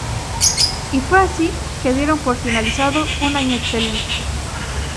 Y fue así que dieron por finalizado un año excelente.